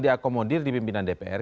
diakomodir di pimpinan dpr